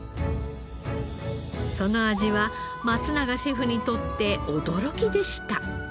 その味は松永シェフにとって驚きでした。